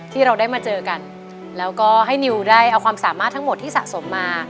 ที่เราได้มาเจอกันแล้วก็ให้นิวได้เอาความสามารถทั้งหมดที่สะสมมา